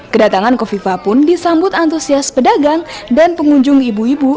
kedatangan kofifa pun disambut antusias pedagang dan pengunjung ibu ibu